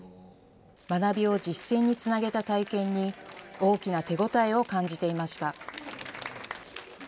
学びを実践につなげた体験に大きな手応えを感じていました。